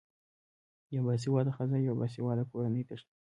یوه باسیواده خځه یوه باسیواده کورنۍ تشکلوی